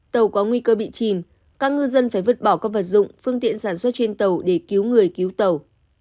tàu có nguy cơ bị chìm các ngư dân phải vứt bỏ các vật dụng phương tiện sản xuất trên tàu để cứu người cứu tàu